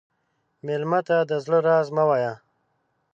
مېلمه ته د زړه راز مه وایه.